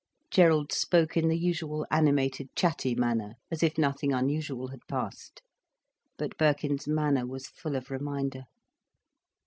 Gerald spoke in the usual animated, chatty manner, as if nothing unusual had passed. But Birkin's manner was full of reminder.